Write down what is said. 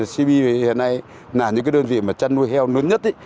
cp hiện nay là những cái đơn vị mà chăn nuôi heo lớn nhất